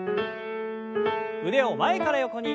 腕を前から横に。